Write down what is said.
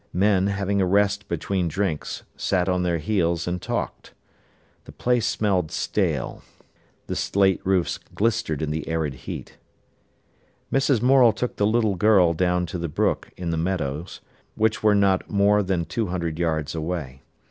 Men, having a rest between drinks, sat on their heels and talked. The place smelled stale; the slate roofs glistered in the arid heat. Mrs. Morel took the little girl down to the brook in the meadows, which were not more than two hundred yards away.